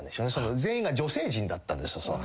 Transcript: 全員が女性陣だったんです。